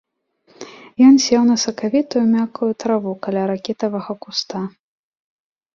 І ён сеў на сакавітую, мяккую траву каля ракітавага куста.